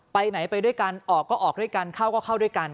ไปไหนไปด้วยกันออกก็ออกด้วยกันเข้าก็เข้าด้วยกัน